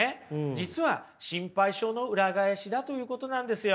実は心配性の裏返しだということなんですよ。